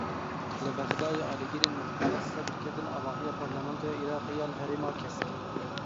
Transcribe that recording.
Li Bexdayê, alîgirên Muqteda Sedr ketin avahiya Parlamentoya Iraqê ya li Herêma Kesk.